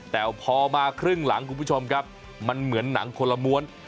แต่พอมาครึ่งหลังคุณผู้ชมครับมันเหมือนหนังคนละม้วน